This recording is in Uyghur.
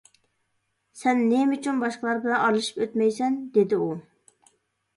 -سەن نېمە ئۈچۈن باشقىلار بىلەن ئارىلىشىپ ئۆتمەيسەن؟ -دېدى ئۇ.